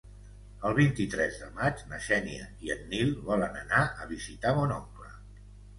El vint-i-tres de maig na Xènia i en Nil volen anar a visitar mon oncle.